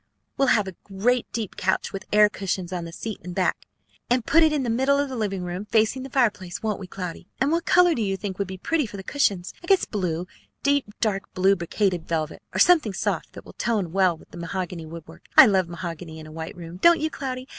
"We'll have a great deep couch, with air cushions on the seat and back, and put it in the middle of the living room facing the fireplace, won't we, Cloudy? And what color do you think would be pretty for the cushions? I guess blue, deep, dark blue brocaded velvet, or something soft that will tone well with the mahogany woodwork. I love mahogany in a white room, don't you, Cloudy?